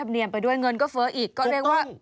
ชีวิตกระมวลวิสิทธิ์สุภาณฑ์